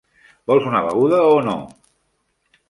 Vols una beguda o no?